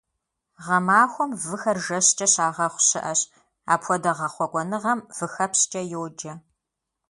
Гъэмахуэм выхэр жэщкӏэ щагъэхъу щыӏэщ, апхуэдэ гъэхъуэкӏуэныгъэм выхэпщкӏэ йоджэ.